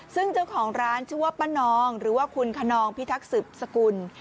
ซึ่งเจ้าของร้านชื่อว่าป้านองหรือว่าคุณขนองพิทักษึบสกุล